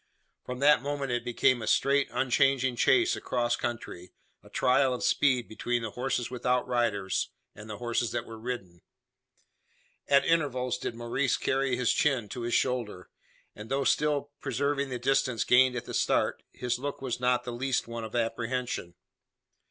From that moment it became a straight unchanging chase across country a trial of speed between the horses without riders, and the horses that were ridden. At intervals did Maurice carry his chin to his shoulder; and though still preserving the distance gained at the start, his look was not the less one of apprehension.